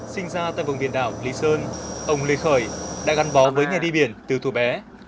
sinh ra tại vùng biển đảo lý sơn ông lê khởi đã gắn bó với nghề đi biển từ thủ bé